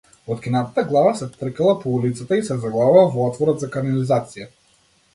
Откинатата глава се тркала по улицата и се заглавува во отворот за канализација.